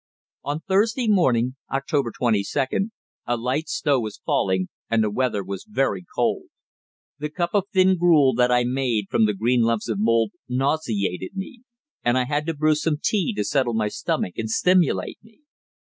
On Thursday morning (October 22d) a light snow was failing, and the weather was very cold. The cup of thin gruel that I made from the green lumps of mould nauseated me, and I had to brew some tea to settle my stomach and stimulate me.